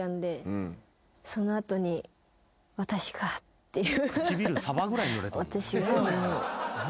っていう。